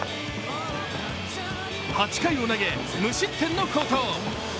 ８回を投げ無失点の好投。